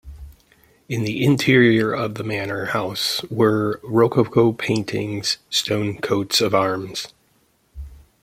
In the interior of the manor house were rococo paintings, stone coats of arms.